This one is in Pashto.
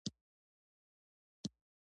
تاسو ته د ورور په نوم غږ کوي.